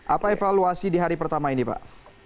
apa evaluasi di hari pertama ini pak